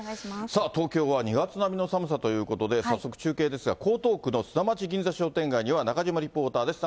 さあ東京は、２月並みの寒さということで、早速中継ですが、江東区の砂町銀座商店街には中島リポーターです。